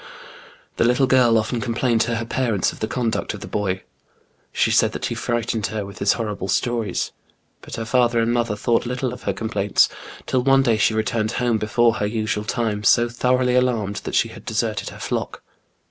The little girl often complained to her parents of the conduct of the boy : she said that he frightened her with his horrible stories ; but her father and mother thought little of her complaints, till one day she returned home before her usual time so thoroughly alarmed that she had deserted her flock.